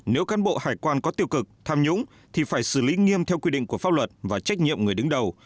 nếu cán bộ hải quan có tiêu cực tham nhũng thì phải xử lý nghiêm theo quy định của pháp luật và trách nhiệm người đứng đầu